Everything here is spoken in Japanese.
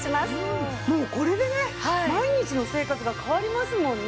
もうこれでね毎日の生活が変わりますもんね。